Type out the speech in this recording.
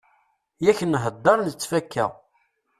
Yak nhedder nettfaka.